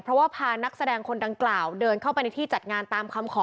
เพราะว่าพานักแสดงคนดังกล่าวเดินเข้าไปในที่จัดงานตามคำขอ